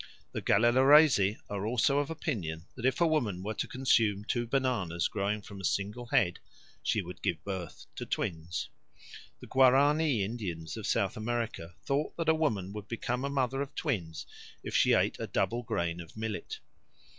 The Galelareese are also of opinion that if a woman were to consume two bananas growing from a single head she would give birth to twins. The Guarani Indians of South America thought that a woman would become a mother of twins if she ate a double grain of millet.